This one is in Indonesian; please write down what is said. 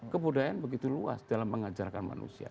kebudayaan begitu luas dalam mengajarkan manusia